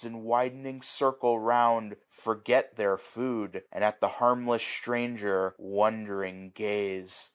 In widening circle round, forget their food. And at the harmless stranger wondering gaze.